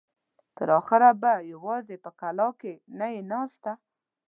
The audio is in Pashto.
تر اخره خو به يواځې په کلاکې نه يې ناسته.